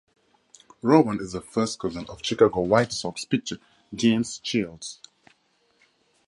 Rowand is the first cousin of Chicago White Sox pitcher James Shields.